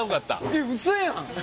えっうそやん！